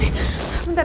tidak tidak tidak